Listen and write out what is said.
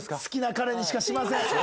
好きな彼にしかしません。